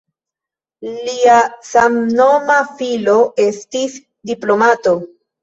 Lia samnoma filo estis diplomato.